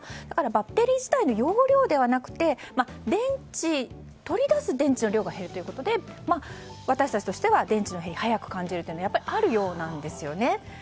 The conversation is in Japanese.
だから、バッテリー自体の容量ではなくて取り出す電池の量が減るということで私たちとしては電池の減りが早く感じるというのがあるようなんですよね。